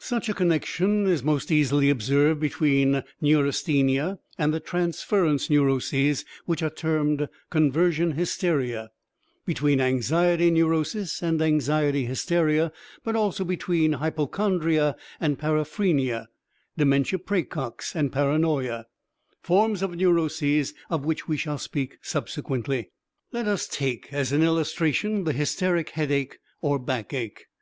Such a connection is most easily observed between neurasthenia and the transference neuroses, which are termed conversion hysteria, between anxiety neurosis and anxiety hysteria, but also between hypochondria and paraphrenia (dementia praecox and paranoia), forms of neuroses of which we shall speak subsequently. Let us take as an illustration the hysteric headache or backache.